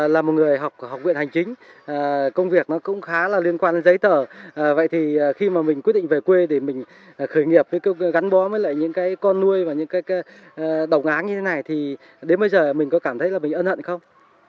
là một người học học viện hành chính công việc nó cũng khá là liên quan đến giấy tờ vậy thì khi mà mình quyết định về quê thì mình khởi nghiệp gắn bó với lại những cái con nuôi và những cái đồng áng như thế này thì đến bây giờ mình có cảm thấy là mình ân hận không